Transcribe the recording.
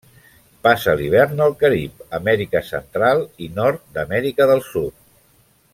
Passa l'hivern al Carib, Amèrica Central i nord d'Amèrica del Sud.